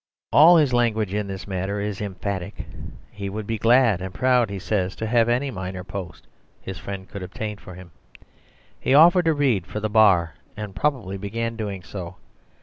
All his language in this matter is emphatic; he would be "glad and proud," he says, "to have any minor post" his friend could obtain for him. He offered to read for the Bar, and probably began doing so.